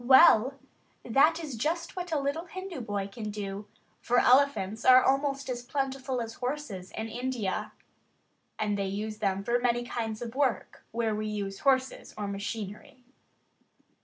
Well, that is just what a little Hindu boy can do, for elephants are almost as plentiful as horses in India; and they use them for many kinds of work where we use horses or machinery.